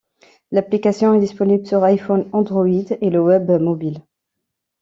L'application est disponible sur Iphone, Android et le web mobile.